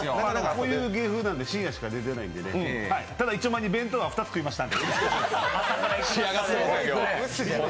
こういう芸風なので深夜しか出ていないのでただ、いっちょまえに弁当は２つ食いました。